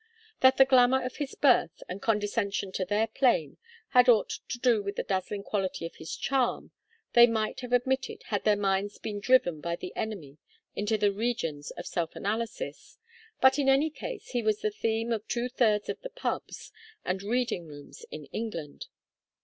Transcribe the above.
That the glamour of his birth and condescension to their plane had aught to do with the dazzling quality of his charm, they might have admitted had their minds been driven by the enemy into the regions of self analysis, but in any case he was the theme of two thirds of the "pubs" and reading rooms in England.